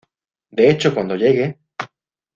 de hecho cuando llegue